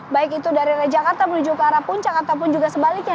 baik itu dari arah jakarta menuju ke arah puncak ataupun juga sebaliknya